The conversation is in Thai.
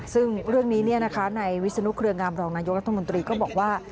ซึ่งเรื่องนี้ในวิศนุเครืองามรองนายกรัฐมนตรีก็บอกว่า